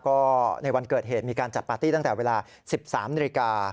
ก็ในวันเกิดเหตุมีการจัดปาร์ตี้ตั้งแต่เวลา๑๓นาฬิกา